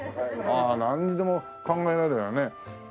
ああなんでも考えられるよね。